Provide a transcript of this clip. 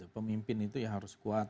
pemimpin itu harus kuat